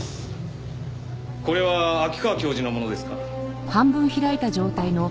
これは秋川教授のものですか？